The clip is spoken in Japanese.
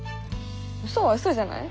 ウソはウソじゃない？